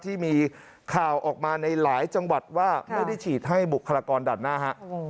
ที่มีข่าวออกมาในหลายจังหวัดว่าไม่ได้ฉีดให้บุคลากรด่านหน้าฮะ